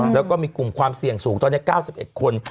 แล้วก็มีกลุ่มความเสี่ยงสูงตอนนี้๙๑คน